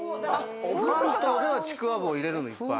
関東ではちくわぶを入れるのいっぱい。